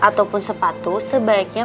ataupun sepatu sebaiknya